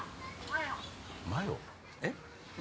えっ？